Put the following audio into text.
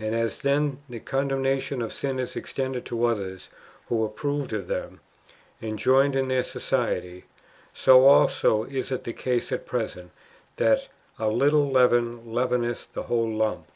"^ And as then the condemnation of sinners extended to others who approved of them, and joined in their society ; so also is it the case at present, that "a little leaven leaveneth the whole lump."''